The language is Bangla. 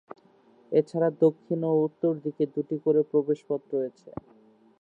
এ ছাড়া দক্ষিণ ও উত্তর দিকে দুটি করে প্রবেশপথ রয়েছে।